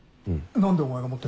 何でお前が持ってるんだ？